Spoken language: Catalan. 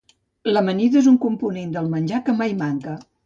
L'amanida és un acompanyant del menjar que mai manca.